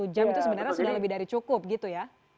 dua puluh jam itu sebenarnya sudah lebih dari cukup gitu ya